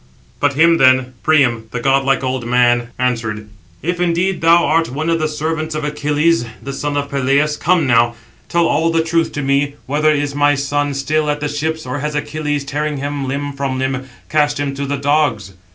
But him then Priam, the godlike old man, answered: "If indeed thou art one of the servants of Achilles, the son of Peleus, come now, tell all the truth to me, whether is my son still at the ships, or has Achilles, tearing him limb from limb, cast him to the dogs?"